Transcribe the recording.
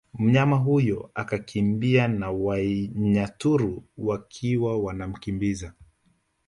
Mnyama huyo akakimbia na Wanyaturu wakiwa wanamkimbiza